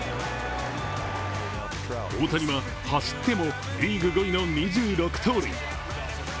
大谷は走ってもリーグ５位の２６盗塁。